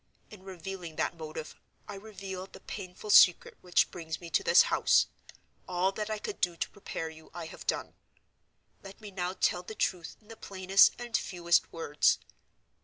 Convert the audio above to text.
In revealing that motive, I reveal the painful secret which brings me to this house. All that I could do to prepare you, I have done. Let me now tell the truth in the plainest and fewest words.